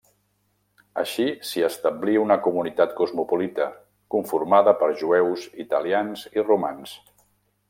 Així, s'hi establí una comunitat cosmopolita, conformada per jueus, italians i romans.